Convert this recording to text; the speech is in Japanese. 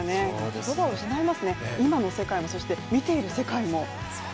言葉を失いますね、今の世界も、そして見ている世界も。